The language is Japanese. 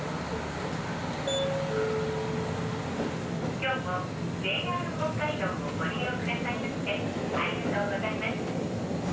「今日もＪＲ北海道をご利用下さいましてありがとうございます」。